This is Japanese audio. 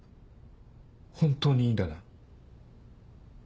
本当にいいんだな？